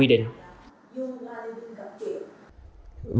yoga living gặp triệu